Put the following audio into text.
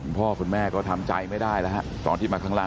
พ่อคุณแม่ก็ทำใจไม่ได้แล้วฮะตอนที่มาข้างล่าง